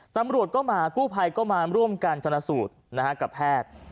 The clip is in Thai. ตำรวจก็มากู้ภัยก็มาร่วมกันชนสูตรกับแพทย์